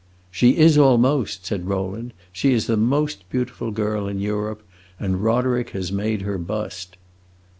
"She is almost!" said Rowland. "She is the most beautiful girl in Europe, and Roderick has made her bust."